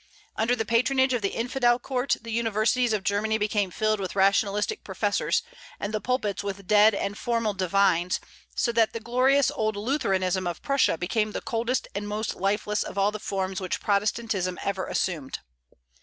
Under the patronage of the infidel court, the universities of Germany became filled with rationalistic professors, and the pulpits with dead and formal divines; so that the glorious old Lutheranism of Prussia became the coldest and most lifeless of all the forms which Protestantism ever assumed.